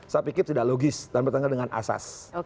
saya pikir tidak logis dan bertanggung jawab dengan asas